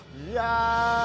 いや！